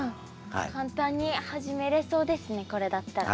簡単に始めれそうですねこれだったら。